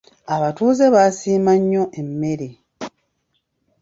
Abatuuze baasiima nnyo emmere.